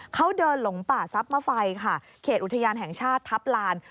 เขาเดินหลงป่าซับมะไฟค่ะเขตอุทยานแห่งชาติทัพลาน